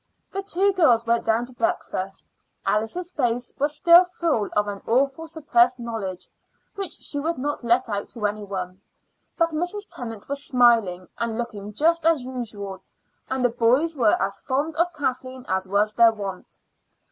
The two girls went down to breakfast. Alice's face was still full of an awful suppressed knowledge, which she would not let out to any one; but Mrs. Tennant was smiling and looking just as usual, and the boys were as fond of Kathleen as was their wont.